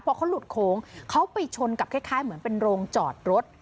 พอเขาหลุดโค้งเขาไปชนกับคล้ายเหมือนเป็นโรงจอดรถ